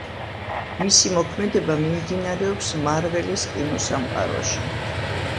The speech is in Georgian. მისი მოქმედება მიმდინარეობს მარველის კინოსამყაროში.